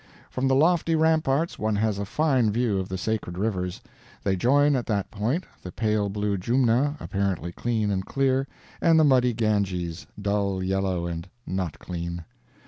From the lofty ramparts one has a fine view of the sacred rivers. They join at that point the pale blue Jumna, apparently clean and clear, and the muddy Ganges, dull yellow and not clean.